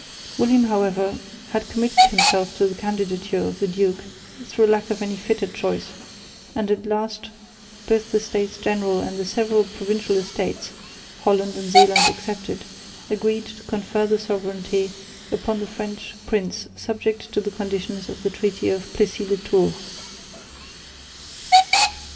William however had committed himself to the candidature of the duke, through lack of any fitter choice; and at last both the States General and the several provincial Estates (Holland and Zeeland excepted) agreed to confer the sovereignty upon the French prince subject to the conditions of the treaty of Plessis les Tours.